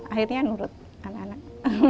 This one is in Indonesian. akhirnya nurut anak anak